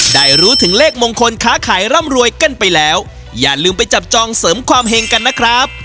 ได้รู้ถึงเลขมงคลค้าขายร่ำรวยกันไปแล้วอย่าลืมไปจับจองเสริมความเห็งกันนะครับ